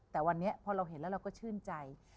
แต่วันนี้พอเราเห็นแล้วเราก็ชื่นใจ